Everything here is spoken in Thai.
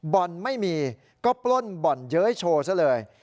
บ่อนไม่มีก็ปล้นบ่อนเย้ยโชว์ซะเลย